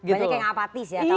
banyak yang apatis ya